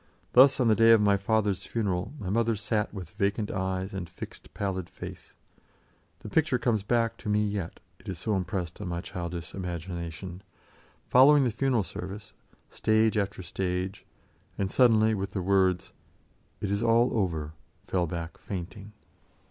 Thus, on the day of my father's funeral, my mother sat with vacant eyes and fixed pallid face the picture comes back to me yet, it so impressed my childish imagination following the funeral service, stage after stage, and suddenly, with the words, "It is all over!" fell back fainting.